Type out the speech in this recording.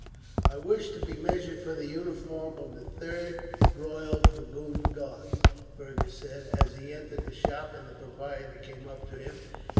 "I wish to be measured for the uniform of the 3rd Royal Dragoon Guards," Fergus said, as he entered the shop and the proprietor came up to him.